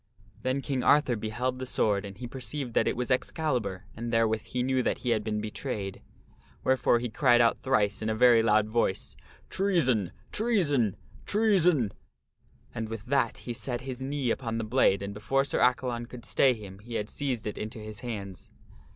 Then King Arthur beheld the sword and he perceived that it was Ex calibur and therewith he knew that he had been betrayed. Wherefore he cried out thrice, in a very loud voice, " Treason ! Treason ! Treason !" and with that he set his knee upon the blade and before Sir Accalon could stay him he had seized it into his hands.